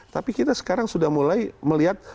tapi kita sekarang sudah mulai melihat